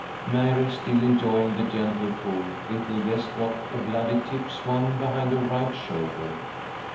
Mary, still enjoying the gentle pull, little guessed what a bloody tip swung behind her right shoulder.